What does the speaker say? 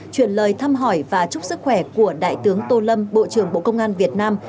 chuyển lời thăm hỏi và chúc sức khỏe của đại tướng tô lâm bộ trưởng bộ công an việt nam